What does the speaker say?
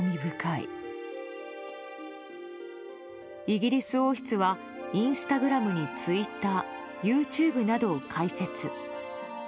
イギリス王室はインスタグラムにツイッターＹｏｕＴｕｂｅなどを開設。